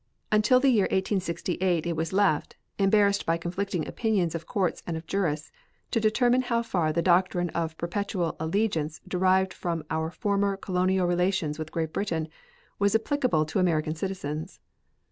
Until the year 1868 it was left, embarrassed by conflicting opinions of courts and of jurists, to determine how far the doctrine of perpetual allegiance derived from our former colonial relations with Great Britain was applicable to American citizens.